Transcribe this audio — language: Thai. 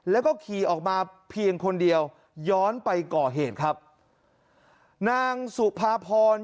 แล้วก็ขี่ออกมาเพียงคนเดียวย้อนไปก่อเหตุครับนางสุภาพร